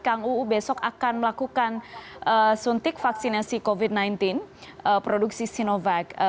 kang uu besok akan melakukan suntik vaksinasi covid sembilan belas produksi sinovac